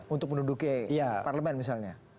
untuk menduduki parlemen misalnya